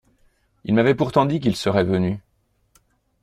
Il m’avait pourtant dit qu’il serait venu.